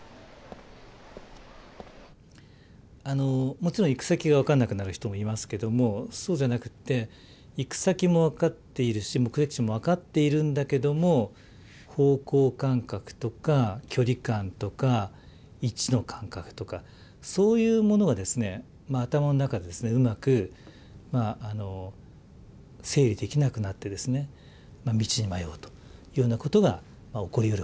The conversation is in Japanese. もちろん行く先が分からなくなる人もいますけどもそうじゃなくって行く先も分かっているし目的地も分かっているんだけども方向感覚とか距離感とか位置の感覚とかそういうものが頭の中でうまく整理できなくなって道に迷うというようなことが起こりうるわけです。